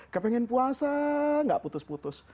kepengen puasa gak putus putus